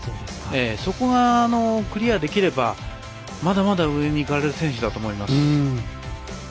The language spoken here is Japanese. そこがクリアできればまだまだ、上に行かれる選手だと思います。